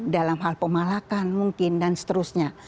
dalam hal pemalakan mungkin dan seterusnya